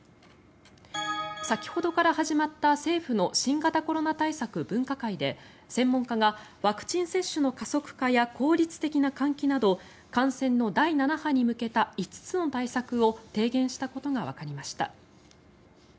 先ほどから始まった政府の新型コロナ対策分科会で専門家がワクチン接種の加速化や効率的な換気など感染の第７波に向けた５つの対策を提言したことがわかりました。